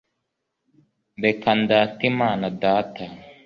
reka ndate imana data